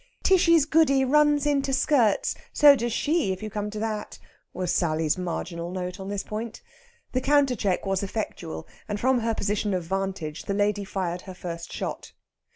"Tishy's Goody runs into skirts so does she if you come to that!" was Sally's marginal note on this point. The countercheck was effectual, and from her position of vantage the lady fired her first shot.